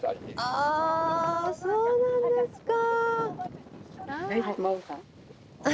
あそうなんですか。